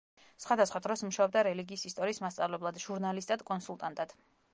სხვადასხვა დროს მუშაობდა: რელიგიის ისტორიის მასწავლებლად, ჟურნალისტად, კონსულტანტად.